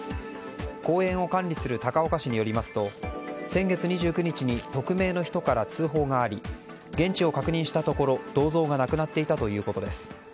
公園を管理する高岡市によりますと先月２９日に匿名の人から通報があり現地を確認したところ銅像がなくなっていたということです。